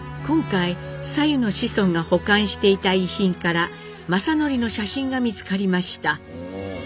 今回サユの子孫が保管していた遺品から正徳の写真が見つかりました。